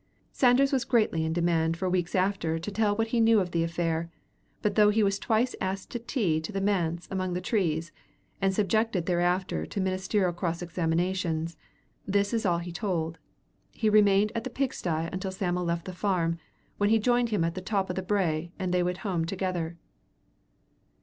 Sanders was greatly in demand for weeks after to tell what he knew of the affair, but though he was twice asked to tea to the manse among the trees, and subjected thereafter to ministerial cross examinations, this is all he told. He remained at the pigsty until Sam'l left the farm, when he joined him at the top of the brae, and they went home together.